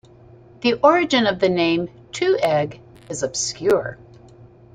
The origin of the name Two Egg is obscure.